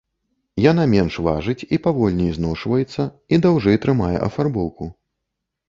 Яна менш важыць і павольней зношваецца і даўжэй трымае афарбоўку.